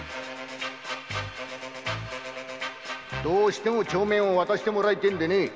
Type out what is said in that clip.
どうしても帳面を渡してもらいてえんでね